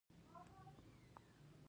د ستوني د ټپ لپاره د توت شربت وکاروئ